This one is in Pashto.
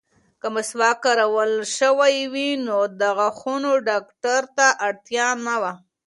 که مسواک کارول شوی وای، نو د غاښونو ډاکټر ته اړتیا نه وه.